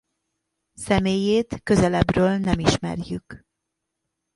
Személyét közelebbről nem ismerjük.